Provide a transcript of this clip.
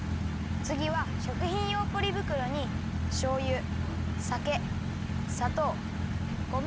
つぎはしょくひんようポリぶくろにしょうゆさけさとうごま